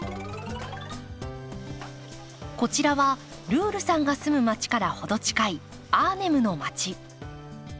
こちらはルールさんが住む街から程近いアーネムの街。